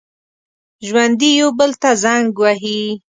ژوندي یو بل ته زنګ وهي